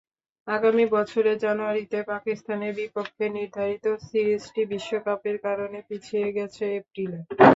আগামী বছরের জানুয়ারিতে পাকিস্তানের বিপক্ষে নির্ধারিত সিরিজটি বিশ্বকাপের কারণে পিছিয়ে গেছে এপ্রিলে।